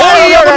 oh iya bener